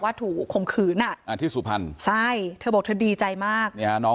ว่าถูกข่มขืนอ่ะอ่าที่สุภัณฑ์ใช่เธอบอกเธอดีใจมากเนี้ย